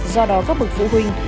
do đó các bậc phụ huynh